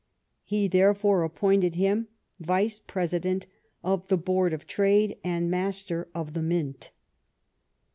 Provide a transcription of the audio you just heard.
He, therefore, appointed him Vice President of the Board of Trade and Master of the Mint.